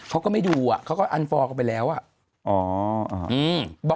เขาก็ไม่ดูอ่ะเขาก็